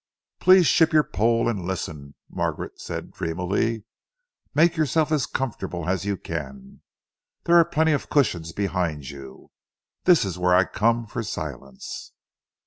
"Please ship your pole and listen," Margaret said dreamily. "Make yourself as comfortable as you can. There are plenty of cushions behind you. This is where I come for silence."